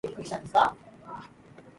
Hogarth was born in Kendal, Westmorland.